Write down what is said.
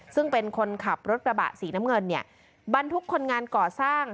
ซึ่งเป็นคนขับรถกระบะสีน้ำเงินเนี่ยบรรทุกคนงานก่อสร้าง